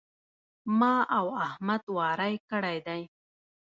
ما او احمد واری کړی دی.